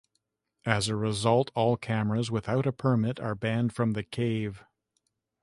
As a result, all cameras without a permit are banned from the cave.